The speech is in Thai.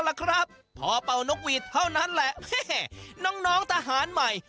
เพราะเปานกหวีดเท่านั้นน้องทหารใหม่